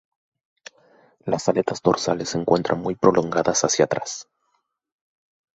Las aletas dorsales se encuentran muy prolongadas hacia atrás.